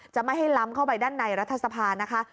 ไม่ให้ล้ำเข้าไปด้านในรัฐสภานะคะ